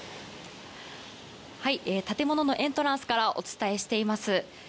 建物のエントランスからお伝えしています。